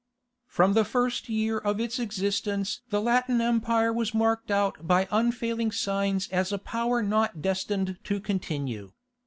From the first year of its existence the Latin Empire was marked out by unfailing signs as a power not destined to continue.